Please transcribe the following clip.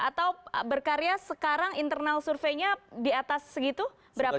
atau berkarya sekarang internal surveinya di atas segitu berapa